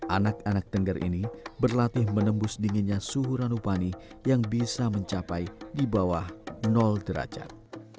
anak anak tengger ini berlatih menembus dinginnya suhu ranupani yang bisa mencapai di bawah derajat